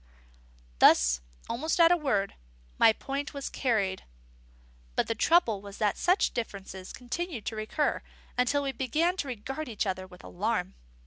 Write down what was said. Thus, almost at a word, my point was carried. But the trouble was that such differences continued to recur, until we began to regard each other with alarm.